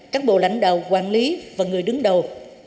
cán bộ lãnh đạo quản lý và người đứng đầu